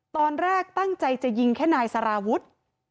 ตอนแรกตั้งใจจะยิงแค่นายสารวุฒิ